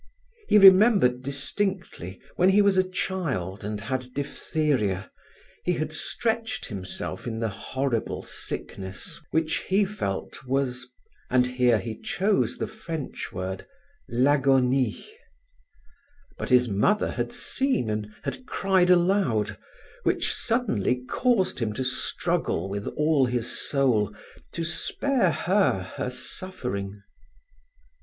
He remembered distinctly, when he was a child and had diphtheria, he had stretched himself in the horrible sickness, which he felt was—and here he chose the French word—"l'agonie". But his mother had seen and had cried aloud, which suddenly caused him to struggle with all his soul to spare her her suffering.